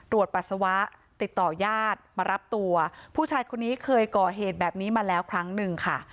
ปัสสาวะติดต่อยาดมารับตัวผู้ชายคนนี้เคยก่อเหตุแบบนี้มาแล้วครั้งหนึ่งค่ะ